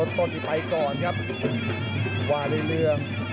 ต้นที่ไปก่อนครับว่าเรื่อง